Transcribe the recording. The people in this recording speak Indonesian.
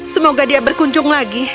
semoga dia berkunjung lagi